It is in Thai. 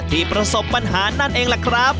ประสบปัญหานั่นเองล่ะครับ